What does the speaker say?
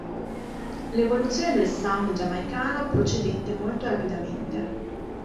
L'evoluzione del sound giamaicano procedette molto rapidamente.